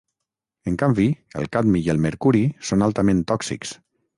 En canvi, el cadmi i el mercuri són altament tòxics.